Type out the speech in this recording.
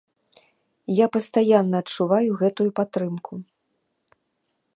Я пастаянна адчуваю гэтую падтрымку.